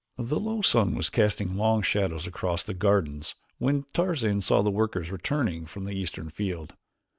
The low sun was casting long shadows across the gardens when Tarzan saw the workers returning from the eastern field.